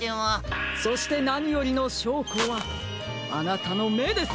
そしてなによりのしょうこはあなたのめです！